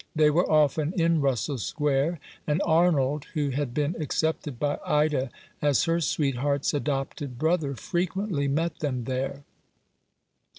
They were often in Russell Square, and Arnold, who had been accepted by Ida as her sweetheart's adopted brother, frequently met them there.